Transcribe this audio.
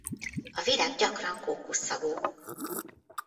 A virág gyakran kókusz szagú.